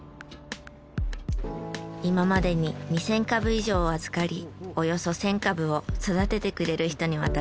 今までに２０００株以上を預かりおよそ１０００株を育ててくれる人に渡してきました。